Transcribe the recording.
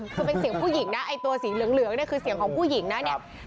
คือเป็นเสียงผู้หญิงนะไอ้ตัวสีเหลืองเนี่ยคือเสียงของผู้หญิงนะเนี่ย